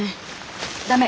駄目！